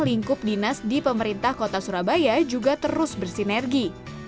lingkup dinas di pemerintah kota surabaya juga terus bersinergi